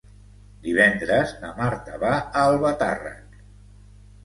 Divendres na Marta va a Albatàrrec.